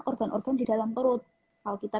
organ organ di dalam perut kalau kita